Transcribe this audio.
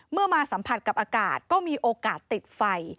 มาสัมผัสกับอากาศก็มีโอกาสติดไฟ